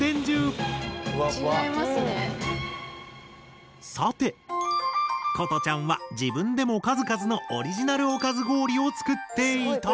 何か俺はさて瑚都ちゃんは自分でも数々のオリジナルおかず氷を作っていた。